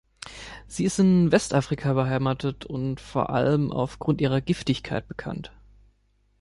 Sie ist in Westafrika beheimatet und vor allem auf Grund ihrer Giftigkeit bekannt.